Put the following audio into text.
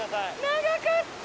長かった。